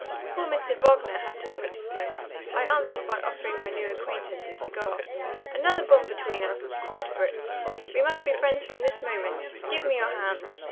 Poor Mr. Wagner had taught me to smoke. I answered by offering my new acquaintance a cigar. "Another bond between us," cried Fritz. "We must be friends from this moment. Give me your hand."